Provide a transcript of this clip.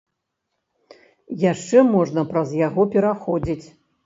Яшчэ можна праз яго пераходзіць.